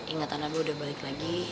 ingatan aku udah balik lagi